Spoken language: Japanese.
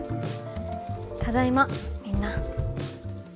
ただいまみんな。